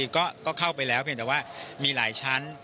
ก็เข้าไปแล้วเพียงแต่ว่ามีหลายชั้น